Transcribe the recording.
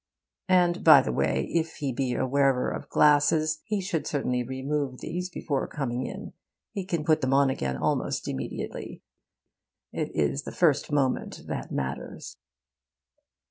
And by the way: if he be a wearer of glasses, he should certainly remove these before coming in. He can put them on again almost immediately. It is the first moment that matters.